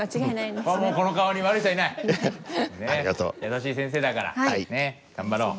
優しい先生だから頑張ろう。